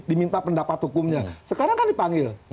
diminta pendapat hukumnya sekarang kan dipanggil